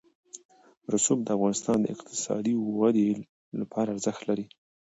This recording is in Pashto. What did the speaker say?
رسوب د افغانستان د اقتصادي ودې لپاره ارزښت لري.